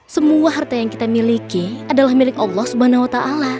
semua harta yang kita miliki adalah milik allah swt